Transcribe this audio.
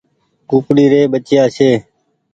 ڪوڪڙي ري ٻچيآ ڇي۔